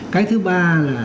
cái thứ ba là